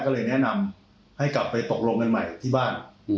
ก็เลยแนะนำให้กลับไปตกลงกันใหม่ที่บ้าน